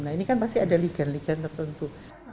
nah ini kan pasti ada ligand ligand tertentu